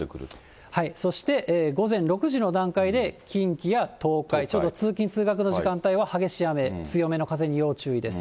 そして午前６時の段階で、近畿や東海、ちょうど通勤・通学の時間帯は、激しい雨、強めの風に要注意です。